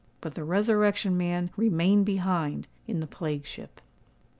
But the Resurrection Man remained behind in the plague ship!